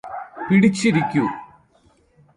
പിടിച്ചിരിക്കു